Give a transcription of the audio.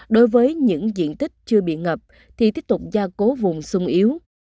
đối với những diện tích chưa bị ngập thì tiếp tục gia cố vùng sung yếu